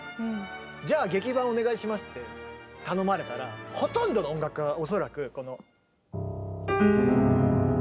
じゃあ劇伴お願いしますって頼まれたらほとんどの音楽家が恐らくこの。